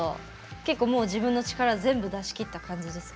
結構自分の力全部出しきった感じですか？